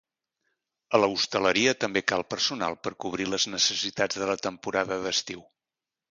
A l'hostaleria també cal personal per cobrir les necessitats de la temporada d'estiu.